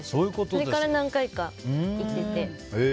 それから何回か行ってて。